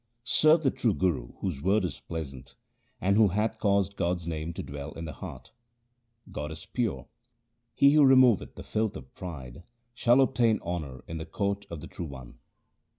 Serve the true Guru whose word is pleasant, And who hath caused God's name to dwell in the heart. God is pure : he who removeth the filth of pride shall obtain honour in the court of the True One.